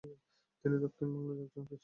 তিনি দক্ষিণ বাংলার একজন পীর ছিলেন।